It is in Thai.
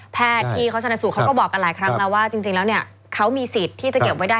ที่เขาชนะสูตรเขาก็บอกกันหลายครั้งแล้วว่าจริงแล้วเนี่ยเขามีสิทธิ์ที่จะเก็บไว้ได้